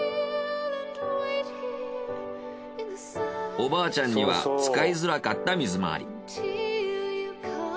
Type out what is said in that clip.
おばあちゃんには使いづらかった水回り。